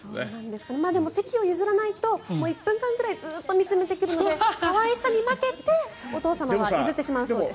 でも、席を譲らないと１分間ぐらいずっと見つめてくるので可愛さに負けてお父様は譲ってしまうそうです。